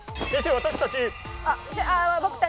私たち。